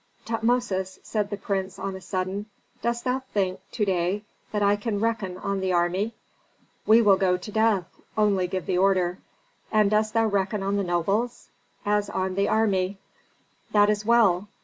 "Tutmosis," said the prince on a sudden, "dost thou think to day that I can reckon on the army?" "We will go to death, only give the order." "And dost thou reckon on the nobles?" "As on the army." "That is well.